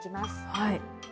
はい。